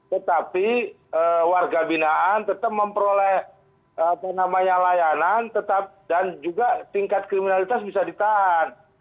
tetapi warga binaan tetap memperoleh layanan dan juga tingkat kriminalitas bisa ditahan